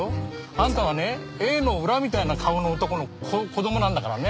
あんたはねエイの裏みたいな顔の男の子供なんだからね。